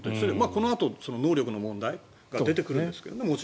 このあと能力の問題が出てくるんですけどね。